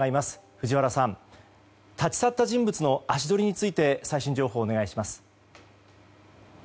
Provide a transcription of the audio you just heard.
藤原さん、立ち去った人物の足取りについて最新情報をお願いします。